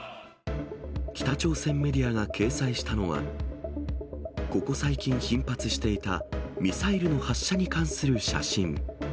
北朝鮮メディアが掲載したのは、ここ最近頻発していたミサイルの発射に関する写真。